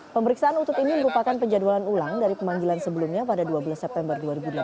pemeriksaan utut ini merupakan penjadwalan ulang dari pemanggilan sebelumnya pada dua belas september dua ribu delapan belas